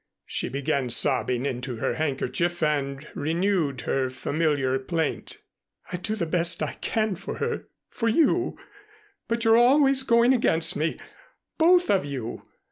She began sobbing into her handkerchief and renewed her familiar plaint. "I do the best I can for her for you, but you're always going against me both of you.